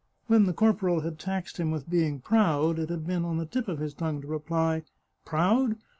When the corporal had taxed him with being proud it had been on the tip of his tongue to reply, " Proud